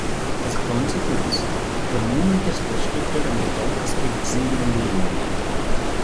As a consequence, the movement is restricted and the talk is exceedingly long.